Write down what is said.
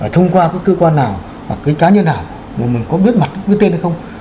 thông qua cái cơ quan nào hoặc cái cá nhân nào mà mình có biết mặt cái tên hay không